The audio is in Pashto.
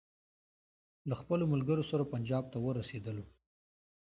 له خپلو ملګرو سره پنجاب ته ورسېدلو.